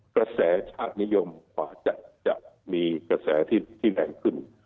กระแสชาตินิยมกว่าจะมีกระแสที่แรงขึ้น